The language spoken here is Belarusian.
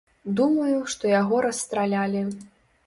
Думаю, што яго расстралялі.